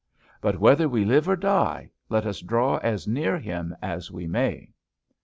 But whether we live or die, let us draw as near Him as we may."